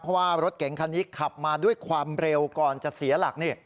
เพราะว่ารถเก๋งคันนี้ขับมาด้วยความเร็วก่อนจะเสียหลัก